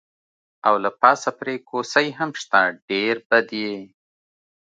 او له پاسه پرې کوسۍ هم شته، ډېر بد یې.